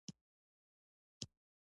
هوښیار خلک خپلو کړنو ته پام کوي.